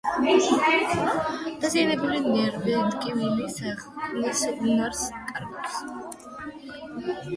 დაზიანებული ნერვი ტკივილის აღქმის უნარს კარგავს.